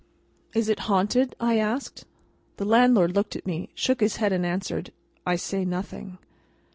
"Is it haunted?" I asked. The landlord looked at me, shook his head, and answered, "I say nothing."